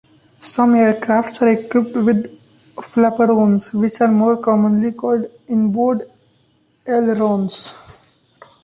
Some aircraft are equipped with "flaperons", which are more commonly called "inboard ailerons".